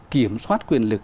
kiểm soát quyền lực